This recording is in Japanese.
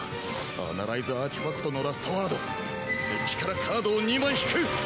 アナライズアーティファクトのラストワードデッキからカードを２枚引く。